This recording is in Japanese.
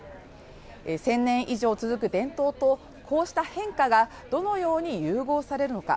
１０００年以上続く伝統とこうした変化がどのように融合されるのか。